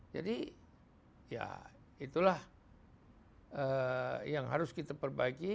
jadi ya itulah yang harus kita perbaiki